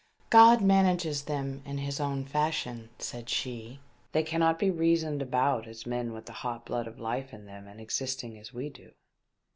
" God manages them in His own fashion," said she. " They cannot be reasoned about as men with the hot blood of life in them and existing as we do."